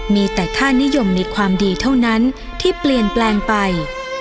มีแต่ค่านิยมในความดีเท่านั้นที่เปลี่ยนแปลงไป